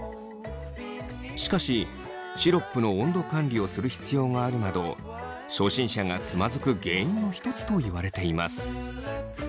しかしシロップの温度管理をする必要があるなど初心者がつまずく原因の一つといわれています。